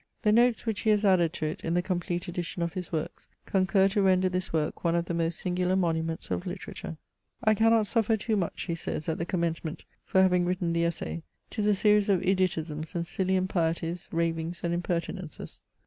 The notes which he has added to it in the complete edition of his works, concur to render this work one of the most singular monuments of literature. " I cannot CHATEAUBRIAND. 1 5 suffer too much/' he says at the commencement, " for haying written the Essai ; 'tis a series of idiotisms and silly impieties, ravings and impertinences.